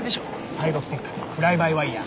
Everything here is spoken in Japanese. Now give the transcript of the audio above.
サイドスティックフライバイワイヤ。